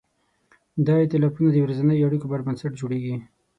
دا ایتلافونه د ورځنیو اړیکو پر بنسټ جوړېږي.